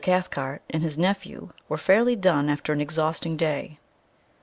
Cathcart and his nephew were fairly done after an exhausting day.